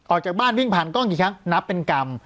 ออกจากบ้านวิ่งผ่านกล้องกี่ครั้งนับเป็นกรรม